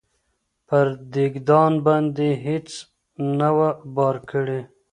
پر دېګدان باندي یې هیڅ نه وه بار کړي